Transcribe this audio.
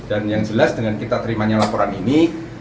dan yang jelas dengan kita terimanya laporan ini